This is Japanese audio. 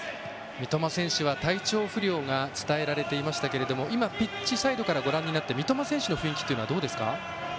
三笘選手は体調不良が伝えられましたが今、ピッチサイドからご覧になって三笘選手の雰囲気はどうですか？